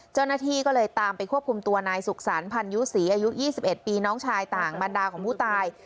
เจ้าหน้าที่ก็เลยตามไปควบคุมตัวนายสุขสรรพันยูศรีอายุ๒๑ปีน้องชายต่างบรรดาของผู้ตาย